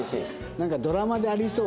なんかドラマでありそう。